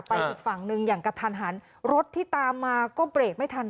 อีกฝั่งหนึ่งอย่างกระทันหันรถที่ตามมาก็เบรกไม่ทัน